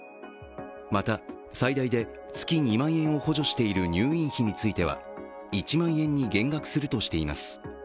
また、最大で月２万円を補助している入院費については１万円に減額するとしています。